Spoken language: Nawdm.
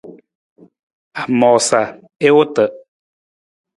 A moosa i wota.